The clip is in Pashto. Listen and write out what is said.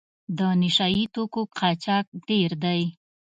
د نشه یي توکو قاچاق ډېر دی.